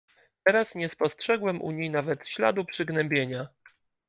"Teraz nie spostrzegłem u niej nawet śladu przygnębienia."